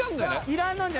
いらん！